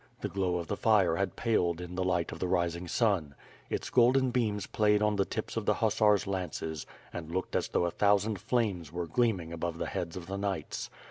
The glow of the fire had paled in the light of the rising sun. Its golden beams played on the tips of the hussars' lances and looked as though a thousand flames were gleaming above the heads of the knights.